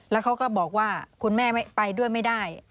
แล้วเขาก็บอกว่าคุณแม่ไปด้วยไม่ได้